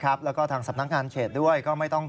เช้าเย็นอะไรได้หมดได้หมดบอกผม